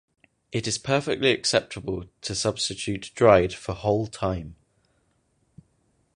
It is perfectly acceptable to substitute dried for whole thyme.